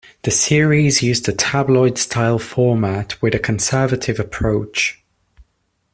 The series used a tabloid-style format with a conservative approach.